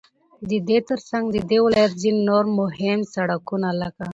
ددې ترڅنگ ددې ولايت ځينو نور مهم سړكونه لكه: